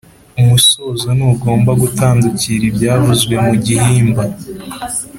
Umusozo ntugomba gutandukira ibyavuzwe mu gihimba.